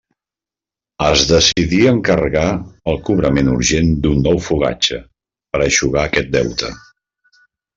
Es decidí encarregar el cobrament urgent d'un nou fogatge per eixugar aquest deute.